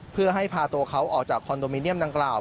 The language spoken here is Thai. เพื่อให้พาตัวเขาออกจากคอนโดมิเนียมดังกล่าว